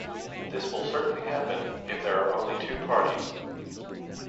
This will certainly happen if there are only two parties.